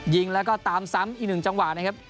ยิงแล้วก็ตามซ้ำอีกหนึ่งจังหวะนะครับ